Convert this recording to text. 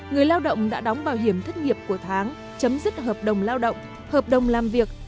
người lao động đã đóng bảo hiểm thất nghiệp của tháng chấm dứt hợp đồng lao động hợp đồng làm việc